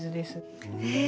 へえ。